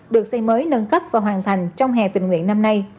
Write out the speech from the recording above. được xây mới nâng cấp và hoàn thành trong hè tình nguyện năm nay